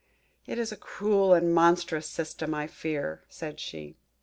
"It is a cruel and a monstrous system, I fear," said she.